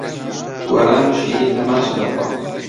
گۆران و شیرین هەمان شت دەخۆن.